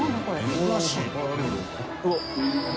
珍しいね。